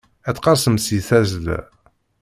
Ad teqqerṣem si tazla.